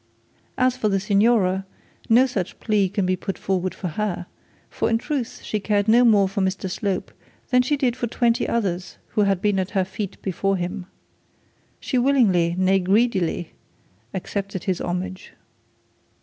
As for the signora, no such plea can be put forward for her, for in truth, she cared no more for Mr Slope than she did for twenty others who had been at her feet before him. She willingly, nay greedily, accepted his homage.